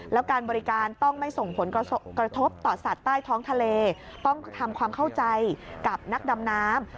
แล้วการบริการต้องไม่ส่งผลกระทบต่อสัตว์ใต้ท้องทะเลต้องทำความเข้าใจกับนักดำน้ำ